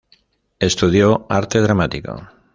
Estudió arte dramático.